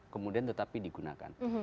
kemudian tetapi digunakan